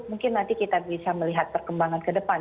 mungkin nanti kita bisa melihat perkembangan ke depan